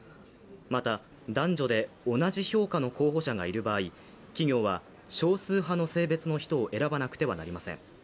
また、男女で同じ評価の候補者がいる場合、企業は少数派の性別の人を選ばなくてはなりません。